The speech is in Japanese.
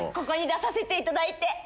ここに出させていただいて。